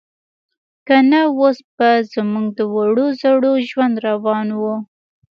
که نه اوس به زموږ د وړو زړو ژوند روان و.